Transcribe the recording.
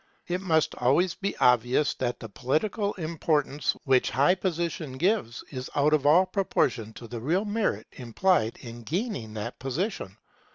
It must always be obvious that the political importance which high position gives, is out of all proportion to the real merit implied in gaining that position.